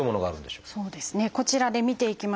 そうですねこちらで見ていきましょう。